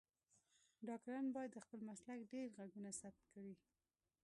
ډاکټران باید د خپل مسلک ډیر غږونه ثبت کړی